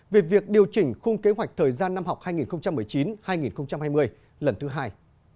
về việc điều chỉnh khung kế hoạch thời gian năm học hai nghìn một mươi chín hai nghìn hai mươi lần thứ hai